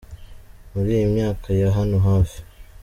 “Muri iyi myaka ya hano hafi